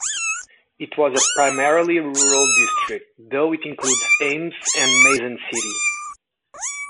It was a primarily rural district, though it included Ames and Mason City.